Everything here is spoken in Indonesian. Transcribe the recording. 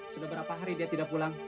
sudah berapa hari dia tidak pulang